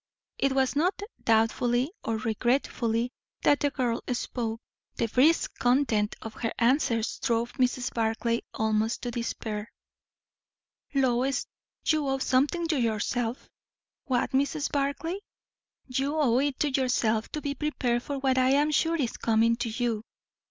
It was not doubtfully or regretfully that the girl spoke; the brisk content of her answers drove Mrs. Barclay almost to despair. "Lois, you owe something to yourself." "What, Mrs. Barclay?" "You owe it to yourself to be prepared for what I am sure is coming to you.